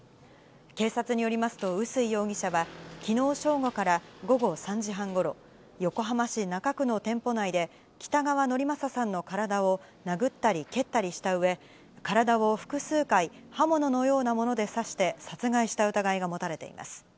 警察によりますと臼井容疑者は、きのう正午から午後３時半ごろ、横浜市中区の店舗内で、北川典聖さんの体を殴ったり蹴ったりしたうえ、体を複数回、刃物のようなもので刺して、殺害した疑いが持たれています。